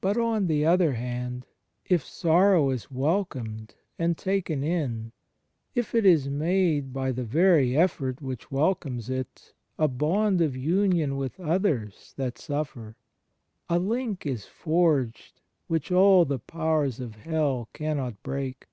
But, on the other hand, if sorrow is welcomed and taken in, if it is made, by the very effort which welcomes it, a bond of imion with others that suffer, a link is forged which all the powers of hell can not break.